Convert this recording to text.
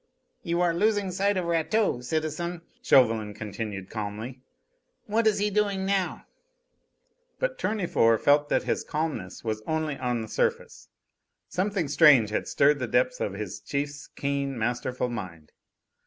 "You are losing sight of Rateau, citizen," Chauvelin continued calmly. "What is he doing now?" But Tournefort felt that this calmness was only on the surface; something strange had stirred the depths of his chief's keen, masterful mind.